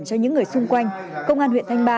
cho những người xung quanh công an huyện thanh ba